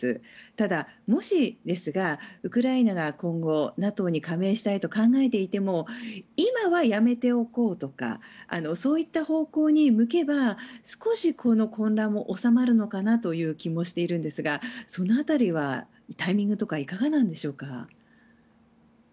ただ、もしですがウクライナが今後ＮＡＴＯに加盟したいと考えていても今はやめておこうとかそういった方向に向けば少しはこの混乱も収まるのかなという気もしているんですがその辺りはタイミングとかいかがなんでしょうか。